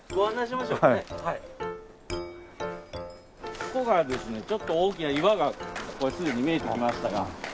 ここがですねちょっと大きな岩がすでに見えてきましたが。